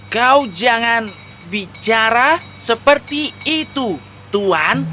kau jangan bicara seperti itu tuhan